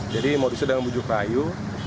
jadi modusnya membujuk rayu